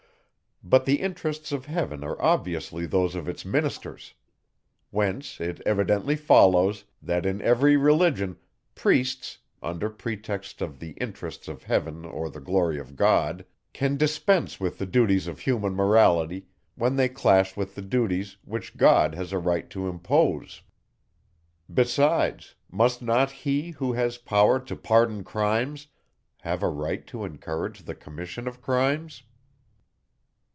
But the interests of heaven are obviously those of its ministers; whence it evidently follows, that in every religion, priests, under pretext of the interests of heaven or the glory of God, can dispense with the duties of human Morality, when they clash with the duties, which God has a right to impose. Besides, must not he, who has power to pardon crimes, have a right to encourage the commission of crimes?